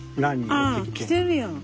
ああ来てるやん！